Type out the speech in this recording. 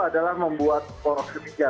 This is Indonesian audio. adalah membuat poros ketiga